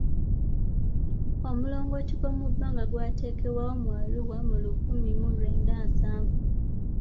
Omulongooti gw'omubbanga gwateekebwawo mu Arua mu lukumi mu lwenda nsavu.